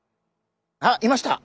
あっいました！